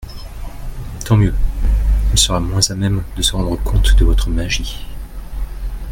Tant mieux ; elle sera moins à même de se rendre compte de votre magie…